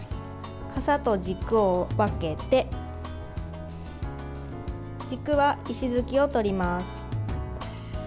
かさと軸を分けて軸は、石突きを取ります。